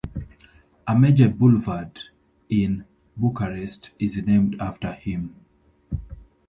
A major boulevard in Bucharest is named after him.